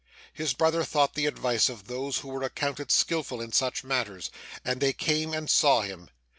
His brother sought the advice of those who were accounted skilful in such matters, and they came and saw him.